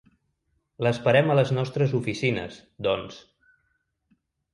L'esperem a les nostres oficines, doncs.